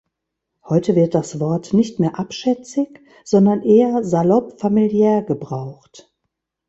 Heute wird das Wort nicht mehr abschätzig, sondern eher salopp-familiär gebraucht.